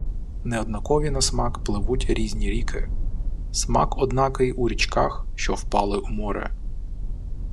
Неоднакові на смак пливуть різні ріки... Смак однакий у річках, що впали у море.